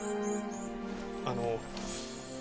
あの。